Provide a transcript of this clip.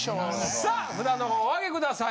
さあ札の方おあげください。